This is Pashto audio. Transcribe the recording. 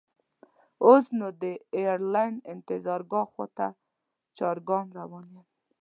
اوس نو د ایرلاین انتظارګاه خواته چارګام روان یم.